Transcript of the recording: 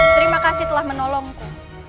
terima kasih telah menolongku